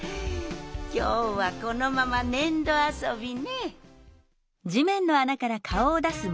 きょうはこのままねんどあそびね。